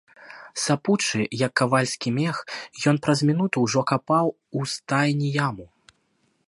Сапучы, як кавальскі мех, ён праз мінуту ўжо капаў у стайні яму.